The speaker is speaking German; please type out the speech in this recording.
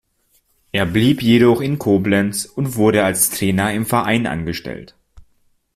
Er blieb jedoch in Koblenz und wurde als Trainer im Verein angestellt.